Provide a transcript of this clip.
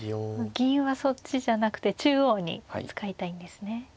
銀はそっちじゃなくて中央に使いたいんですね。